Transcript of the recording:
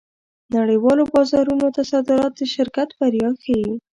نړۍوالو بازارونو ته صادرات د شرکت بریا ښيي.